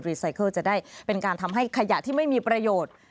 ไซเคิลจะได้เป็นการทำให้ขยะที่ไม่มีประโยชน์